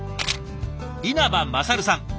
稲葉勝さん。